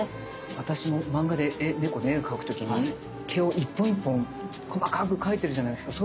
私も漫画で猫の絵描く時に毛を一本一本細かく描いてるじゃないですか。